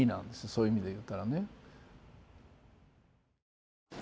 そういう意味でいったらね。